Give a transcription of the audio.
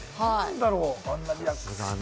あんなにリラックスして。